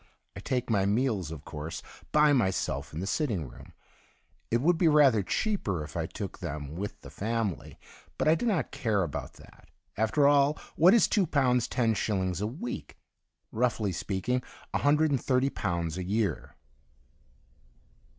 I take my meals, of course, by^ myself in 12 THE DIARY OF A GOD the sitting room. It would be rather cheaper if I took thein with the family, but I do not care about that. After all, what is two pounds ten shillings a week ? Roughly speak ing, a hundred and thirty pounds a year.